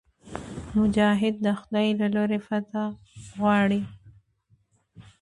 مجاهد د خدای له لورې فتحه غواړي.